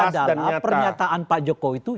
yang ada adalah pernyataan pak jokowi itu